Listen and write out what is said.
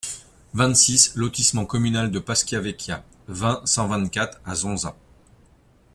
vingt-six lotissement Communal de Pascia Vecchia, vingt, cent vingt-quatre à Zonza